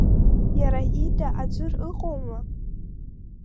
Иара ида аӡәыр ыҟоума?